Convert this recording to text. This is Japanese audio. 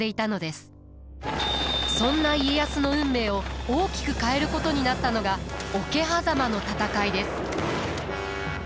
そんな家康の運命を大きく変えることになったのが桶狭間の戦いです。